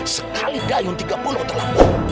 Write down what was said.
sekali gayun tiga puluh terlampau